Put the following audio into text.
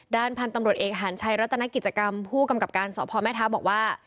ด้านพันธุ์ตำรวจเอกหารชัยรัตนกิจกรรมผู้กำกับการสพแม่ท้าบอกว่า